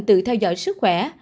tự theo dõi sức khỏe